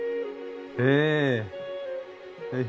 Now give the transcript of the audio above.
ええ。